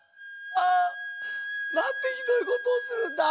あなんてひどいことをするんだ。